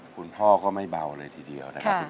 คุณพ่อก็ไม่เบาเลยทีเดียวนะครับ